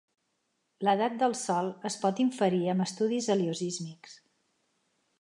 L'edat del sol es pot inferir amb estudis heliosísmics.